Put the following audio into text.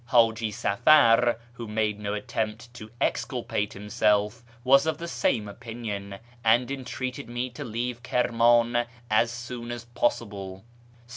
Haji Safar, who made no attempt to exculpate himself, was of the same opinion, and entreated me to leave Kirman as soon as possible.